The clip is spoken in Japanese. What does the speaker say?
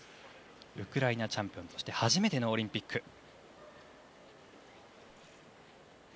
ウクライナチャンピオンとして初めてのオリンピック。